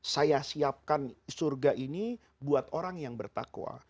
saya siapkan surga ini buat orang yang bertakwa